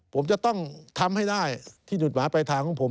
ผมจะต้องทำให้ได้ที่หลุดหมาไปทางของผม